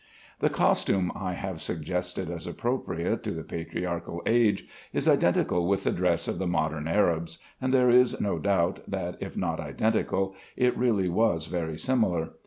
The costume I have suggested as appropriate to the patriarchal age is identical with the dress of the modern Arabs, and there is no doubt that, if not identical, it really was very similar.